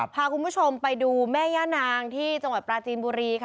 พาคุณผู้ชมไปดูแม่ย่านางที่จังหวัดปราจีนบุรีค่ะ